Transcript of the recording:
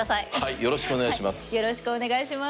よろしくお願いします。